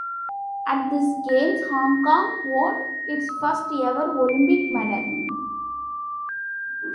At these Games, Hong Kong won its first ever Olympic medal.